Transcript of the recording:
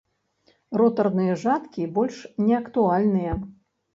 Ротарныя жаткі больш не актуальныя.